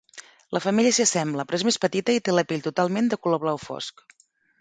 La femella s'hi assembla però és més petita i té la pell totalment de color blau fosc.